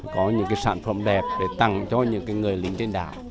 có những sản phẩm đẹp để tặng cho những người lính trên đảo